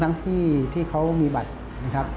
ทั้งที่เขามีบัตรนะครับ